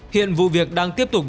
hiện vụ việc đang tiếp tục